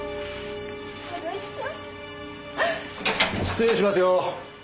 失礼しますよ。